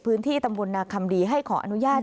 พื้นที่ตำบลนาคัมดีให้ขออนุญาต